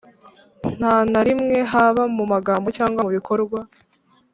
nta na rimwe, haba mu magambo cyangwa mu bikorwa,